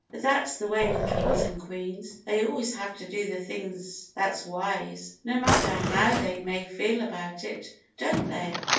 But that's the way with kings and queens; they always have to do the things that's wise, no matter how they may feel about it, don't they?"